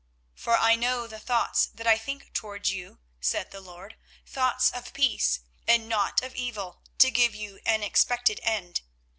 24:029:011 For I know the thoughts that I think toward you, saith the LORD, thoughts of peace, and not of evil, to give you an expected end.